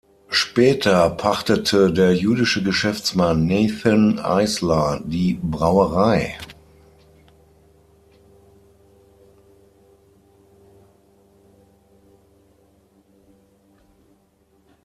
Später pachtete der jüdische Geschäftsmann Nathan Eisler die Brauerei.